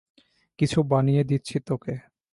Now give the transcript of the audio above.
কিছু বানিয়ে দিচ্ছি তোকে।